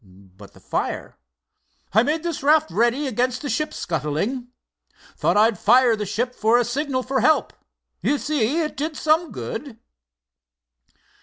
"But the fire?" "I made this raft ready against the ship scuttling. Thought I'd fire the ship for a signal for help. You see it did some good."